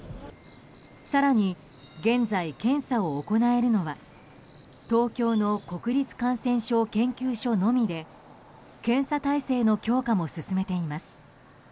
更に現在、検査を行えるのは東京の国立感染症研究所のみで検査体制の強化も進めています。